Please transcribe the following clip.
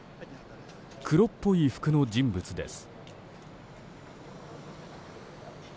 黒っぽい服の人物です。